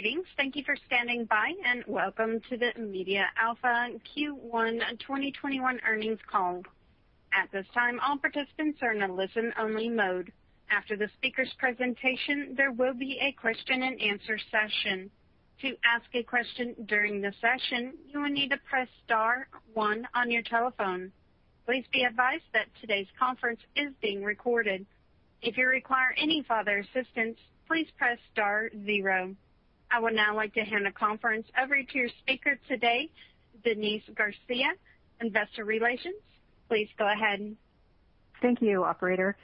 Greetings. Thank you for standing by, and welcome to the MediaAlpha Q1 2021 earnings call. At this time, all participants are in a listen-only mode. After the speaker's presentation, there will be a question-and-answer session. To ask a question during the session, you will need to press star one on your telephone. Please be advised that today's conference is being recorded. If you require any further assistance, please press star zero. I would now like to hand the conference over to your speaker today, Denise Garcia, Investor Relations. Please go ahead. Thank you, Operator.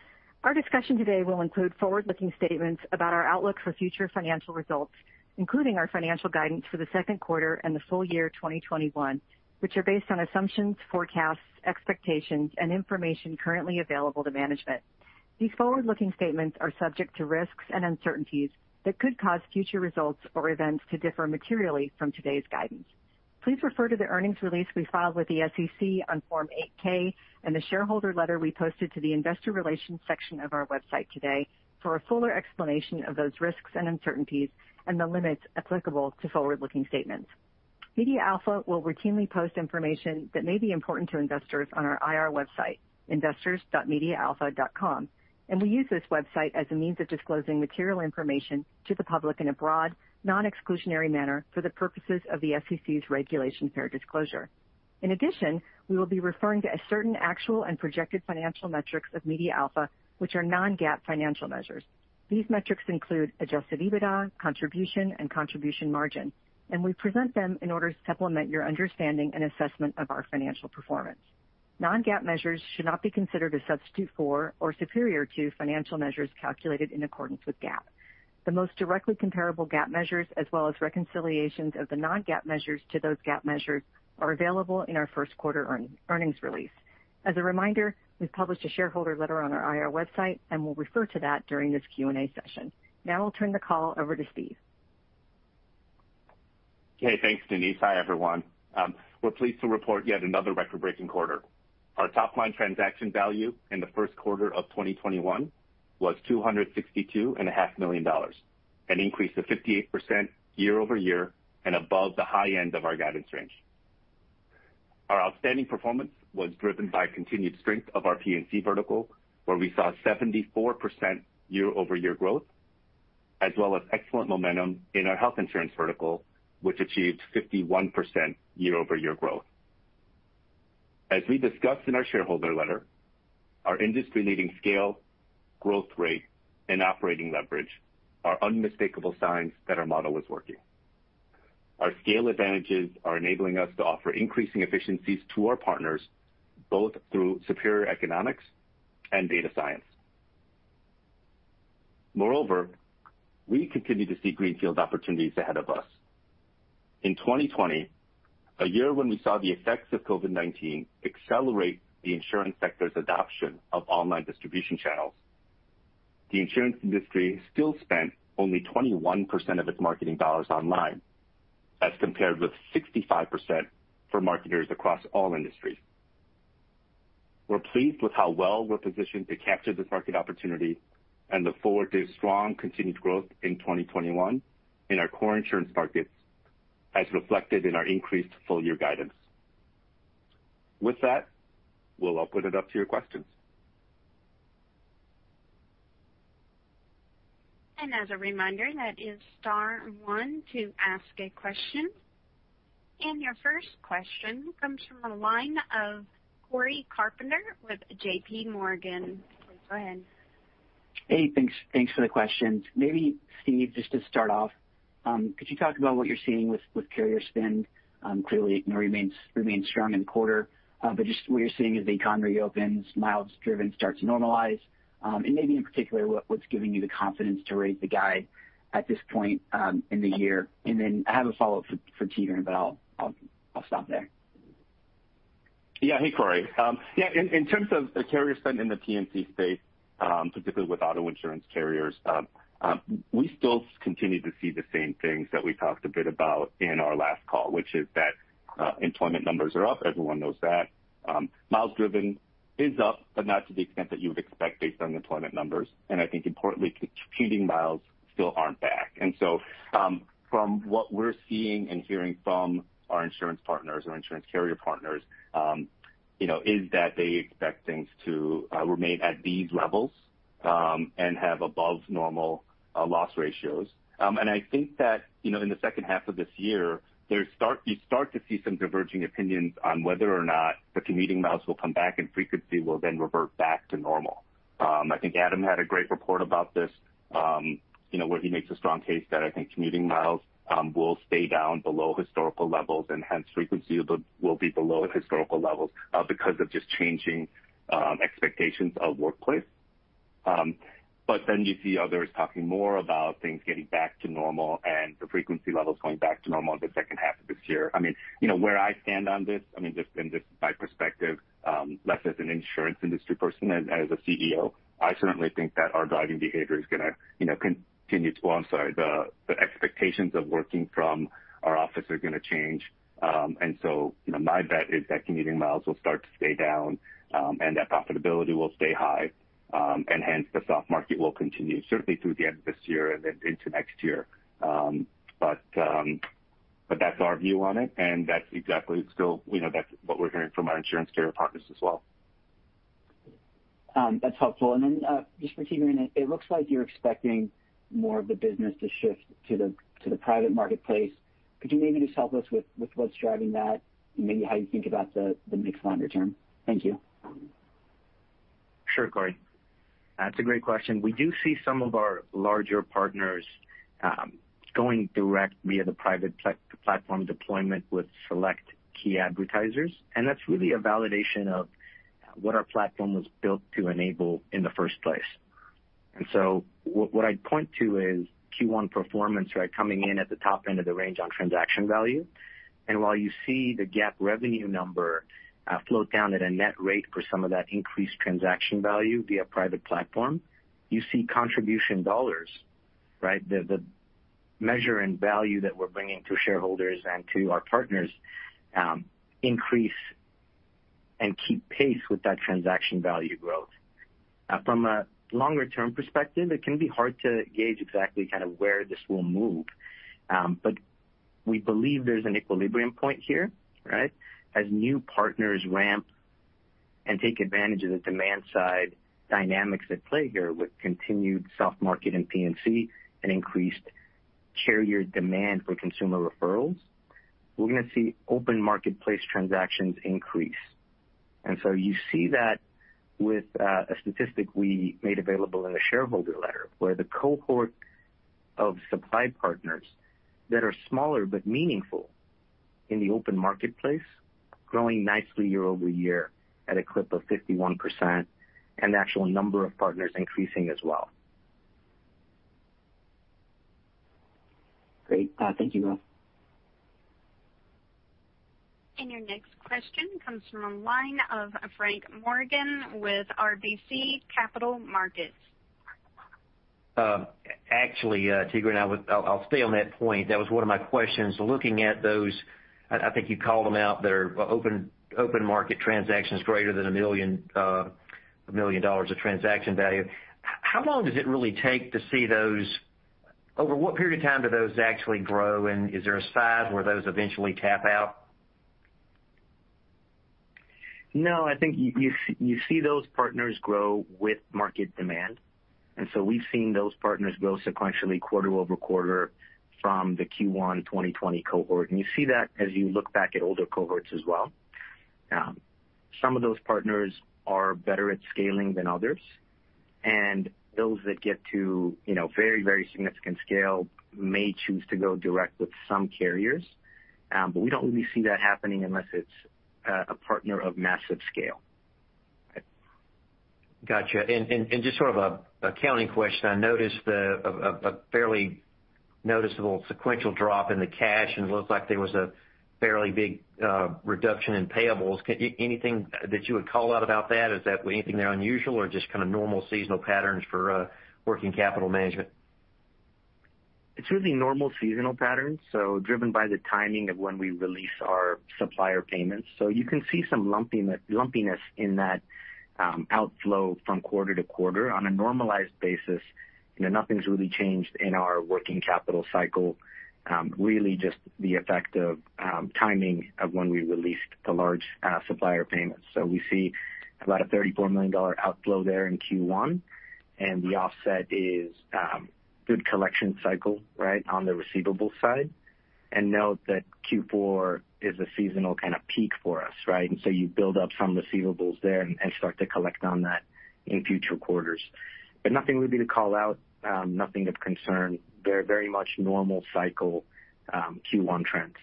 Our discussion today will include forward-looking statements about our outlook for future financial results, including our financial guidance for the second quarter and the full year 2021, which are based on assumptions, forecasts, expectations, and information currently available to management. These forward-looking statements are subject to risks and uncertainties that could cause future results or events to differ materially from today's guidance. Please refer to the earnings release we filed with the SEC on Form 8-K and the shareholder letter we posted to the Investor Relations section of our website today for a fuller explanation of those risks and uncertainties and the limits applicable to forward-looking statements. MediaAlpha will routinely post information that may be important to investors on our IR website, investors.mediaalpha.com, and we use this website as a means of disclosing material information to the public in a broad, non-exclusionary manner for the purposes of the SEC's regulation fair disclosure. In addition, we will be referring to certain actual and projected financial metrics of MediaAlpha, which are non-GAAP financial measures. These metrics include adjusted EBITDA, contribution, and contribution margin, and we present them in order to supplement your understanding and assessment of our financial performance. Non-GAAP measures should not be considered a substitute for or superior to financial measures calculated in accordance with GAAP. The most directly comparable GAAP measures, as well as reconciliations of the non-GAAP measures to those GAAP measures, are available in our first quarter earnings release. As a reminder, we've published a shareholder letter on our IR website, and we'll refer to that during this Q&A session. Now I'll turn the call over to Steve. Okay. Thanks, Denise. Hi, everyone. We're pleased to report yet another record-breaking quarter. Our top-line transaction value in the first quarter of 2021 was $262.5 million, an increase of 58% year-over-year and above the high end of our guidance range. Our outstanding performance was driven by continued strength of our P&C vertical, where we saw 74% year-over-year growth, as well as excellent momentum in our health insurance vertical, which achieved 51% year-over-year growth. As we discussed in our shareholder letter, our industry-leading scale, growth rate, and operating leverage are unmistakable signs that our model is working. Our scale advantages are enabling us to offer increasing efficiencies to our partners, both through superior economics and data science. Moreover, we continue to see greenfield opportunities ahead of us. In 2020, a year when we saw the effects of COVID-19 accelerate the insurance sector's adoption of online distribution channels, the insurance industry still spent only 21% of its marketing dollars online, as compared with 65% for marketers across all industries. We're pleased with how well we're positioned to capture this market opportunity and look forward to strong continued growth in 2021 in our core insurance markets, as reflected in our increased full-year guidance. With that, we'll open it up to your questions. As a reminder, that is star one to ask a question. Your first question comes from a line of Cory Carpenter with JPMorgan. Please go ahead. Hey, thanks for the question. Maybe, Steve, just to start off, could you talk about what you're seeing with carrier spend? Clearly, it remains strong in the quarter, just what you're seeing as the economy reopens, miles driven starts to normalize. Maybe in particular, what's giving you the confidence to raise the guide at this point in the year? I have a follow-up for Tigran, but I'll stop there. Yeah. Hey, Cory. Yeah. In terms of carrier spend in the P&C space, particularly with auto insurance carriers, we still continue to see the same things that we talked a bit about in our last call, which is that employment numbers are up. Everyone knows that. Miles driven is up, but not to the extent that you would expect based on employment numbers. I think importantly, continuing miles still aren't back. From what we're seeing and hearing from our insurance partners, our insurance carrier partners, is that they expect things to remain at these levels and have above-normal loss ratios. I think that in the second half of this year, you start to see some diverging opinions on whether or not the commuting miles will come back and frequency will then revert back to normal. I think Adam had a great report about this where he makes a strong case that I think commuting miles will stay down below historical levels and hence frequency will be below historical levels because of just changing expectations of workplace. You see others talking more about things getting back to normal and the frequency levels going back to normal in the second half of this year. I mean, where I stand on this, I mean, just in my perspective, less as an insurance industry person and as a CEO, I certainly think that our driving behavior is going to continue to—I am sorry, the expectations of working from our office are going to change. My bet is that commuting miles will start to stay down and that profitability will stay high, and hence the soft market will continue certainly through the end of this year and then into next year. That is our view on it, and that is exactly still—that is what we are hearing from our insurance carrier partners as well. That's helpful. Just for Tigran, it looks like you're expecting more of the business to shift to the private marketplace. Could you maybe just help us with what's driving that and maybe how you think about the mix longer term? Thank you. Sure, Cory. That's a great question. We do see some of our larger partners going direct via the private platform deployment with select key advertisers. That's really a validation of what our platform was built to enable in the first place. What I'd point to is Q1 performance, right, coming in at the top end of the range on transaction value. While you see the GAAP revenue number float down at a net rate for some of that increased transaction value via private platform, you see contribution dollars, right, the measure in value that we're bringing to shareholders and to our partners increase and keep pace with that transaction value growth. From a longer-term perspective, it can be hard to gauge exactly kind of where this will move, but we believe there's an equilibrium point here, right, as new partners ramp and take advantage of the demand-side dynamics at play here with continued soft market in P&C and increased carrier demand for consumer referrals. We're going to see open marketplace transactions increase. You see that with a statistic we made available in the shareholder letter where the cohort of supply partners that are smaller but meaningful in the open marketplace is growing nicely year-over-year at a clip of 51% and the actual number of partners increasing as well. Great. Thank you both. Your next question comes from a line of Frank Morgan with RBC Capital Markets. Actually, Tigran, I'll stay on that point. That was one of my questions. Looking at those, I think you called them out. They're open market transactions greater than $1 million of transaction value. How long does it really take to see those? Over what period of tiime do those actually grow, and is there a size where those eventually tap out? No, I think you see those partners grow with market demand. You see those partners grow sequentially quarter-over-quarter from the Q1 2020 cohort. You see that as you look back at older cohorts as well. Some of those partners are better at scaling than others. Those that get to very, very significant scale may choose to go direct with some carriers. We do not really see that happening unless it is a partner of massive scale. Gotcha. Just sort of a counting question. I noticed a fairly noticeable sequential drop in the cash, and it looks like there was a fairly big reduction in payables. Anything that you would call out about that? Is that anything there unusual or just kind of normal seasonal patterns for working capital management? It's really normal seasonal patterns, driven by the timing of when we release our supplier payments. You can see some lumpiness in that outflow from quarter to quarter on a normalized basis. Nothing's really changed in our working capital cycle, really just the effect of timing of when we released the large supplier payments. We see about a $34 million outflow there in Q1, and the offset is good collection cycle, right, on the receivables side. Note that Q4 is a seasonal kind of peak for us, right? You build up some receivables there and start to collect on that in future quarters. Nothing would be to call out, nothing of concern. Very much normal cycle Q1 trends.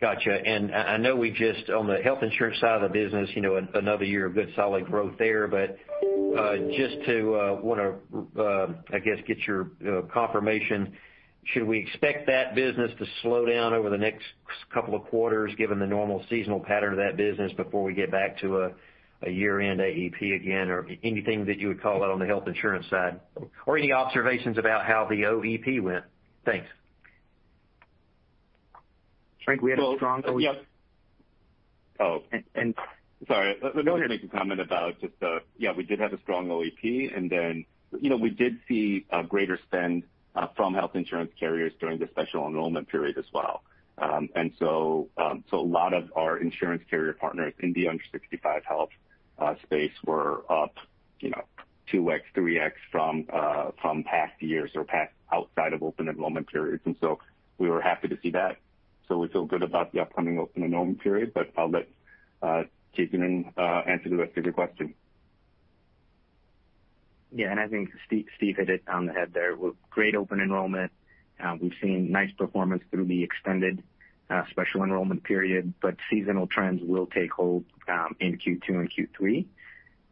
Gotcha. I know we just, on the health insurance side of the business, another year of good solid growth there. Just want to, I guess, get your confirmation, should we expect that business to slow down over the next couple of quarters, given the normal seasonal pattern of that business before we get back to a year-end AEP again, or anything that you would call out on the health insurance side? Any observations about how the OEP went? Thanks. Frank, we had a strong OEP. Sorry. Let me just make a comment about just the, yeah, we did have a strong OEP, and we did see greater spend from health insurance carriers during the special enrollment period as well. A lot of our insurance carrier partners in the under-65 health space were up 2x-3x from past years or past outside of open enrollment periods. We were happy to see that. We feel good about the upcoming open enrollment period, but I'll let Tigran answer the rest of your question. Yeah. I think Steve hit it on the head there. Great open enrollment. We've seen nice performance through the extended special enrollment period, but seasonal trends will take hold in Q2 and Q3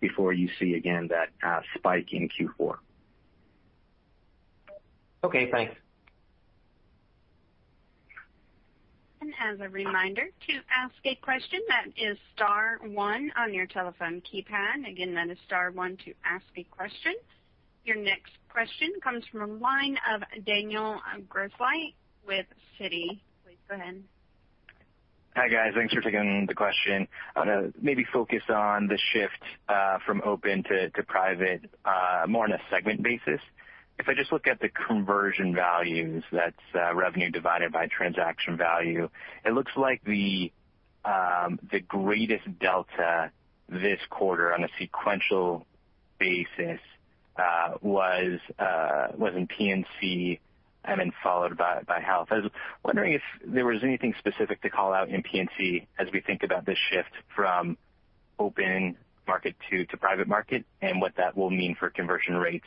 before you see again that spike in Q4. Okay. Thanks. As a reminder to ask a question, that is star one on your telephone keypad. Again, that is star one to ask a question. Your next question comes from the line of Daniel Grosslight with Citi. Please go ahead. Hi guys. Thanks for taking the question. I'm going to maybe focus on the shift from open to private more on a segment basis. If I just look at the conversion values, that's revenue divided by transaction value, it looks like the greatest delta this quarter on a sequential basis was in P&C and then followed by health. I was wondering if there was anything specific to call out in P&C as we think about this shift from open market to private market and what that will mean for conversion rates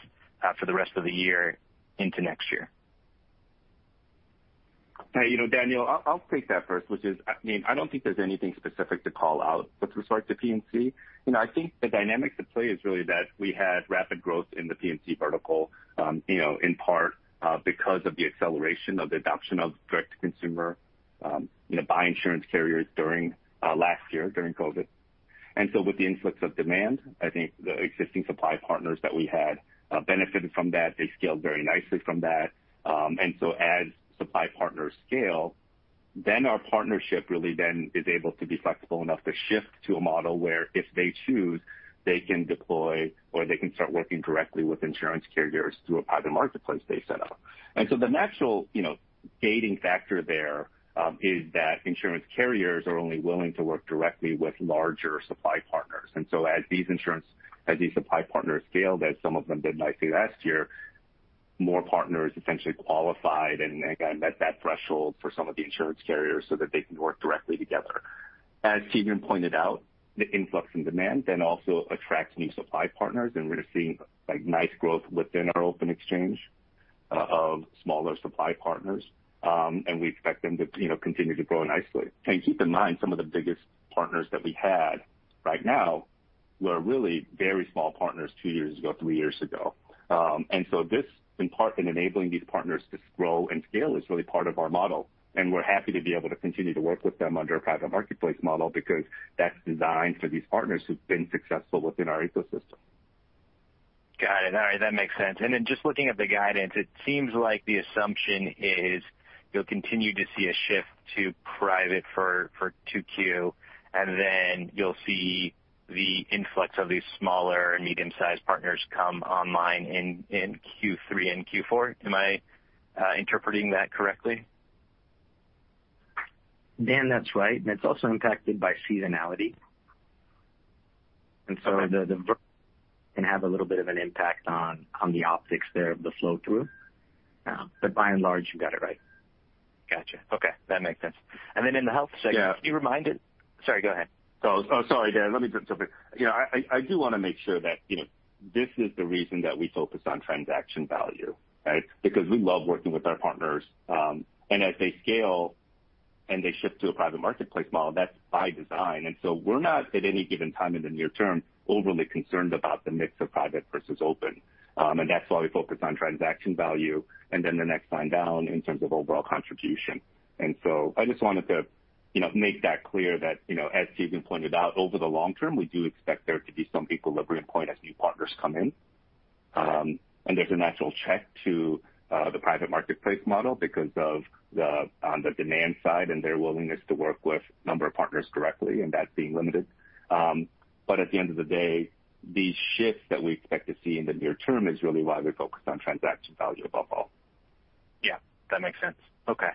for the rest of the year into next year. Daniel, I'll take that first, which is, I mean, I don't think there's anything specific to call out with respect to P&C. I think the dynamic at play is really that we had rapid growth in the P&C vertical in part because of the acceleration of the adoption of direct-to-consumer by insurance carriers during last year, during COVID. With the influx of demand, I think the existing supply partners that we had benefited from that. They scaled very nicely from that. As supply partners scale, then our partnership really then is able to be flexible enough to shift to a model where if they choose, they can deploy or they can start working directly with insurance carriers through a private marketplace they set up. The natural gating factor there is that insurance carriers are only willing to work directly with larger supply partners. As these insurance, as these supply partners scaled, as some of them did nicely last year, more partners essentially qualified and met that threshold for some of the insurance carriers so that they can work directly together. As Tigran pointed out, the influx in demand then also attracts new supply partners, and we're seeing nice growth within our open exchange of smaller supply partners, and we expect them to continue to grow nicely. Keep in mind, some of the biggest partners that we had right now were really very small partners two years ago, three years ago. This, in part, in enabling these partners to grow and scale is really part of our model. We're happy to be able to continue to work with them under a private marketplace model because that's designed for these partners who've been successful within our ecosystem. Got it. All right. That makes sense. Just looking at the guidance, it seems like the assumption is you'll continue to see a shift to private for Q2, and then you'll see the influx of these smaller and medium-sized partners come online in Q3 and Q4. Am I interpreting that correctly? Dan, that's right. It's also impacted by seasonality. The vertical can have a little bit of an impact on the optics there of the flow through. By and large, you got it right. Gotcha. Okay. That makes sense. In the health sector, can you remind it? Sorry, go ahead. Oh, sorry, Dan. Let me jump in. I do want to make sure that this is the reason that we focus on transaction value, right? Because we love working with our partners. As they scale and they shift to a private marketplace model, that's by design. We are not at any given time in the near term overly concerned about the mix of private versus open. That is why we focus on transaction value and then the next line down in terms of overall contribution. I just wanted to make that clear that, as Tigran pointed out, over the long term, we do expect there to be some equilibrium point as new partners come in. There is a natural check to the private marketplace model because of the demand side and their willingness to work with a number of partners directly, and that is being limited. At the end of the day, the shift that we expect to see in the near term is really why we focus on transaction value above all. Yeah. That makes sense. Okay.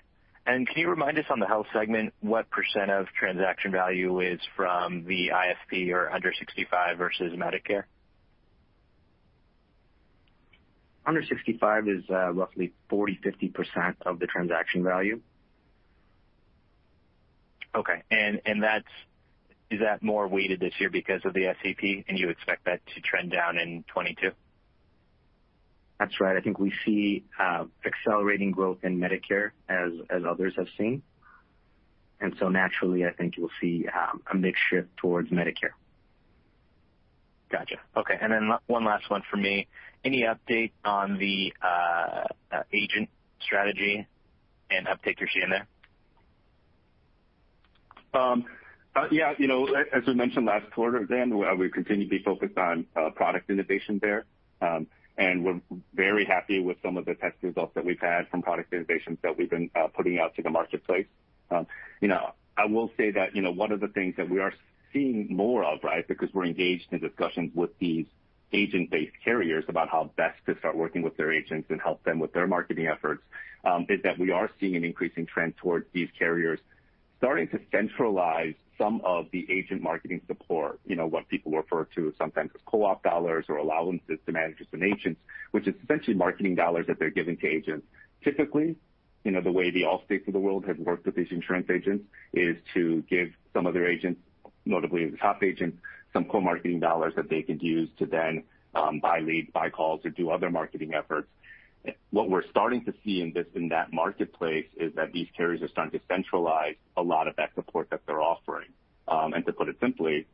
Can you remind us on the health segment what % of transaction value is from the ISP or under-65 versus Medicare? Under-65 is roughly 40%-50% of the transaction value. Okay. Is that more weighted this year because of the SAP, and you expect that to trend down in 2022? That's right. I think we see accelerating growth in Medicare as others have seen. I think you'll see a mixed shift towards Medicare. Gotcha. Okay. And then one last one for me. Any update on the agent strategy and uptick you're seeing there? Yeah. As we mentioned last quarter, Dan, we've continued to be focused on product innovation there. We're very happy with some of the test results that we've had from product innovations that we've been putting out to the marketplace. I will say that one of the things that we are seeing more of, right, because we're engaged in discussions with these agent-based carriers about how best to start working with their agents and help them with their marketing efforts, is that we are seeing an increasing trend towards these carriers starting to centralize some of the agent marketing support, what people refer to sometimes as co-op dollars or allowances to managers and agents, which is essentially marketing dollars that they're giving to agents. Typically, the way the Allstate for the world has worked with these insurance agents is to give some of their agents, notably the top agents, some co-marketing dollars that they can use to then buy leads, buy calls, or do other marketing efforts. What we're starting to see in that marketplace is that these carriers are starting to centralize a lot of that support that they're offering. To put it simply,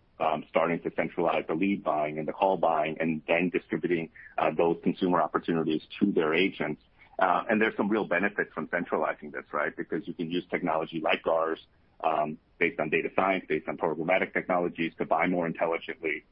starting to centralize the lead buying and the call buying and then distributing those consumer opportunities to their agents. There is some real benefit from centralizing this, right? Because you can use technology like ours based on data science, based on programmatic technologies to buy more intelligently.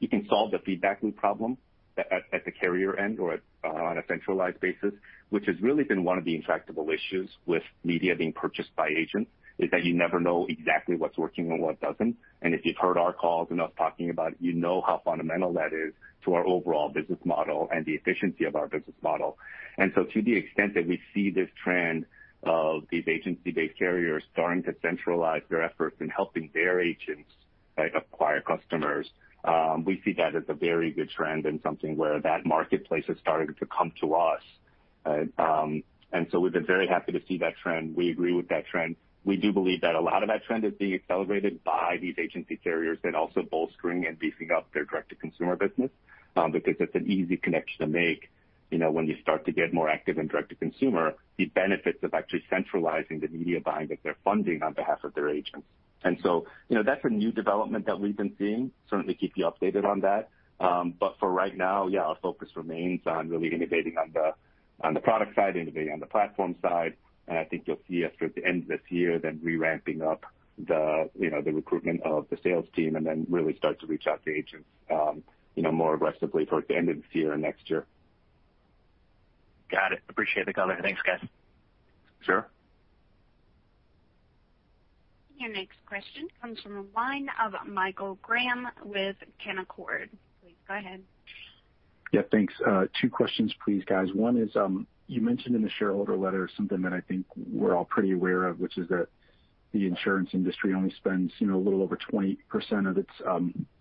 You can solve the feedback loop problem at the carrier end or on a centralized basis, which has really been one of the intractable issues with media being purchased by agents, is that you never know exactly what's working and what doesn't. If you've heard our calls and us talking about it, you know how fundamental that is to our overall business model and the efficiency of our business model. To the extent that we see this trend of these agency-based carriers starting to centralize their efforts in helping their agents acquire customers, we see that as a very good trend and something where that marketplace is starting to come to us. We have been very happy to see that trend. We agree with that trend. We do believe that a lot of that trend is being accelerated by these agency carriers and also bolstering and beefing up their direct-to-consumer business because it's an easy connection to make when you start to get more active in direct-to-consumer, the benefits of actually centralizing the media buying of their funding on behalf of their agents. That is a new development that we've been seeing. Certainly keep you updated on that. For right now, yeah, our focus remains on really innovating on the product side, innovating on the platform side. I think you'll see after the end of this year, then reramping up the recruitment of the sales team and then really start to reach out to agents more aggressively towards the end of this year and next year. Got it. Appreciate the color. Thanks, guys. Sure. Your next question comes from a line of Michael Graham with Canaccord. Please go ahead. Yeah. Thanks. Two questions, please, guys. One is you mentioned in the shareholder letter something that I think we're all pretty aware of, which is that the insurance industry only spends a little over 20% of its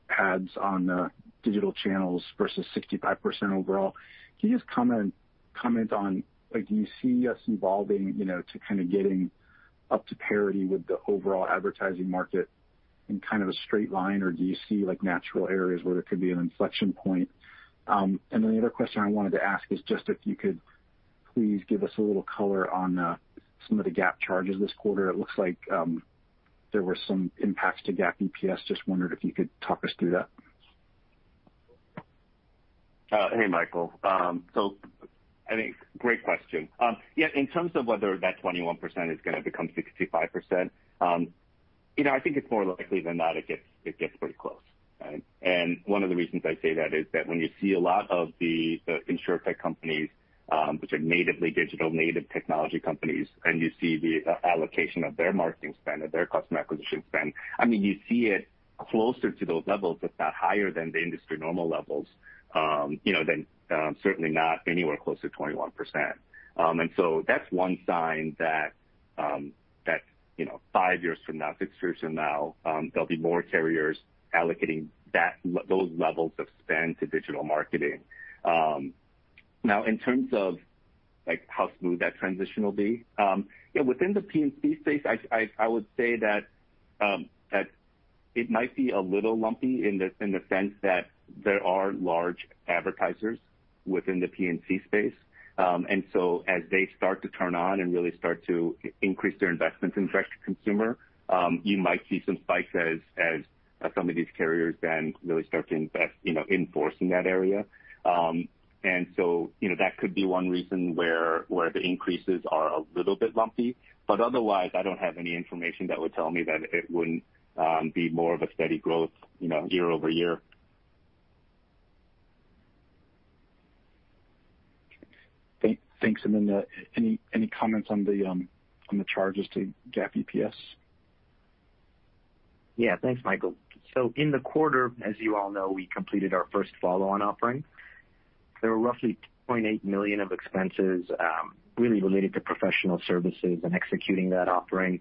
ads on digital channels versus 65% overall. Can you just comment on, do you see us evolving to kind of getting up to parity with the overall advertising market in kind of a straight line, or do you see natural areas where there could be an inflection point? The other question I wanted to ask is just if you could please give us a little color on some of the GAAP charges this quarter. It looks like there were some impacts to GAAP EPS. Just wondered if you could talk us through that. Hey, Michael. I think great question. Yeah. In terms of whether that 21% is going to become 65%, I think it's more likely than not it gets pretty close. One of the reasons I say that is that when you see a lot of the insurtech companies, which are natively digital, native technology companies, and you see the allocation of their marketing spend and their customer acquisition spend, I mean, you see it closer to those levels, if not higher than the industry normal levels, then certainly not anywhere close to 21%. That's one sign that five years from now, six years from now, there'll be more carriers allocating those levels of spend to digital marketing. Now, in terms of how smooth that transition will be, within the P&C space, I would say that it might be a little lumpy in the sense that there are large advertisers within the P&C space. As they start to turn on and really start to increase their investments in direct-to-consumer, you might see some spikes as some of these carriers then really start to enforce in that area. That could be one reason where the increases are a little bit lumpy. Otherwise, I do not have any information that would tell me that it would not be more of a steady growth year-over-year. Thanks. Any comments on the charges to GAAP EPS? Yeah. Thanks, Michael. In the quarter, as you all know, we completed our first follow-on offering. There were roughly $2.8 million of expenses really related to professional services and executing that offering.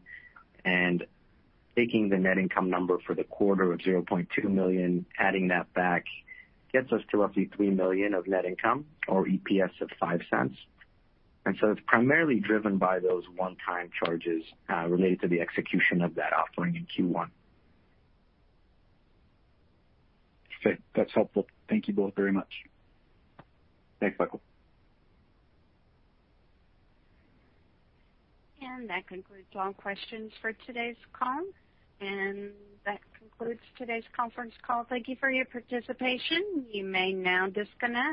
Taking the net income number for the quarter of $0.2 million, adding that back gets us to roughly $3 million of net income or EPS of $0.05. It is primarily driven by those one-time charges related to the execution of that offering in Q1. Okay. That's helpful. Thank you both very much. Thanks, Michael. That concludes all questions for today's call. That concludes today's conference call. Thank you for your participation. You may now disconnect.